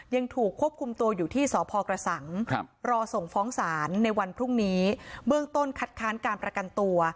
ยังถูกควบคุมตัวอยู่ที่สพกระสังรอส่งฟ้องศาลในวันพรุ่งนี้เบื้องต้นคัดค้านการประกันตัว